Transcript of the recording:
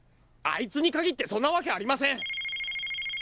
あいつにかぎってそんなわけありません！